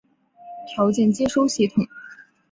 条件接收系统。